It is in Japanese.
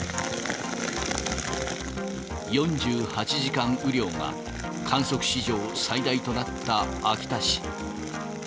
４８時間雨量が、観測史上最大となった秋田市。